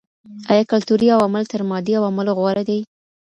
آيا کلتوري عوامل تر مادي عواملو غوره دي؟